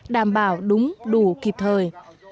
đảm bảo đúng đủ kịp thời